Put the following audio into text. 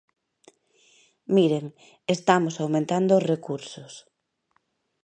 Miren, estamos aumentando os recursos.